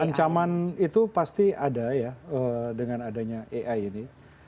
ancaman itu pasti ada ya dengan adanya ai ini